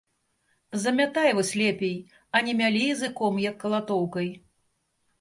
Замятай вось лепей, а не мялі языком, як калатоўкай!